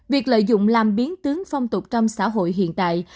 việc lợi dụng làm biến tướng phong tục trong xã hội hiện tại